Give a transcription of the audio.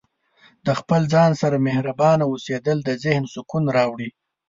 د خپل ځان سره مهربانه اوسیدل د ذهن سکون راوړي.